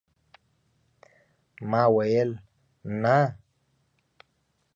ما ويل ، نه !